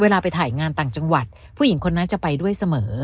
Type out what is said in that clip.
ไปถ่ายงานต่างจังหวัดผู้หญิงคนนั้นจะไปด้วยเสมอ